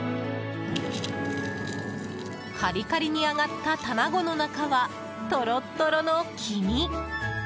カリカリに揚がった卵の中はトロットロの黄身。